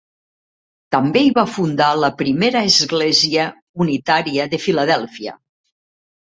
També hi va fundar la Primera església unitària de Filadèlfia.